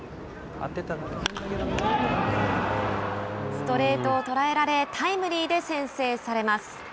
ストレートを捉えられタイムリーで先制されます。